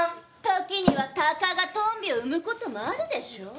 時には鷹がトンビを生む事もあるでしょう。